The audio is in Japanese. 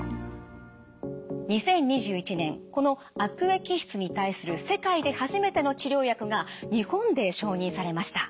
２０２１年この悪液質に対する世界で初めての治療薬が日本で承認されました。